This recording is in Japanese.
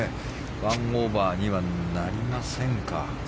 １オーバーにはなりませんか。